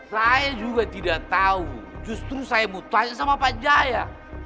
saya juga tidak tahu justru saya mau tanya sama pak jaya